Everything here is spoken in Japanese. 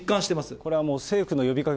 これは政府の呼びかけ